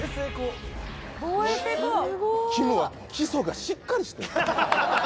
きむは基礎がしっかりしてる。